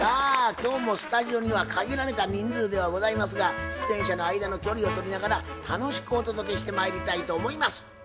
今日もスタジオには限られた人数ではございますが出演者の間の距離を取りながら楽しくお届けしてまいりたいと思います。